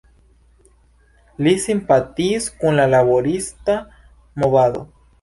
Li simpatiis kun la laborista movado.